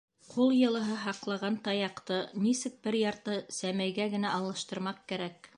Ҡул йылыһы һаҡлаған таяҡты нисек бер ярты сәмәйгә генә алыштырмаҡ кәрәк.